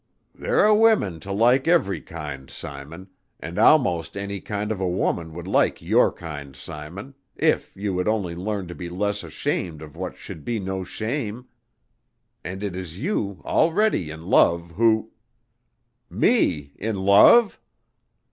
"There are women to like every kind, Simon, and almost any kind of a woman would like your kind, Simon, if you would only learn to be less ashamed of what should be no shame. And it is you, already in love, who " "Me in love?"